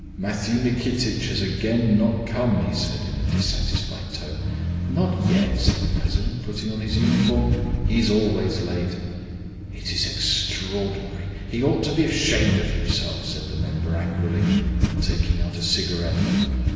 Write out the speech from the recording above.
"Matthew Nikitich has again not come," he said, in a dissatisfied tone. "Not yet?" said the president, putting on his uniform. "He is always late." "It is extraordinary. He ought to be ashamed of himself," said the member, angrily, and taking out a cigarette.